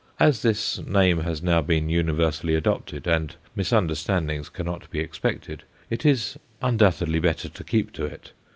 As this name has now been universally adopted, and misunderstandings cannot be expected, it is undoubtedly better to keep to it.